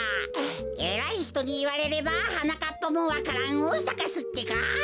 えらいひとにいわれればはなかっぱもわか蘭をさかすってか。